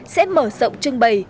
sẽ mở rộng trưng bày